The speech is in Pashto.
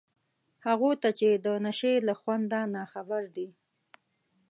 هغو ته چي د نشې له خونده ناخبر دي